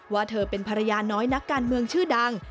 ว่าเธอเป็นภรรยาน้อยนักการเมืองชื่อดัง